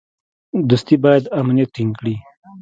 دوستي باید امنیت ټینګ کړي.